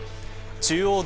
中央道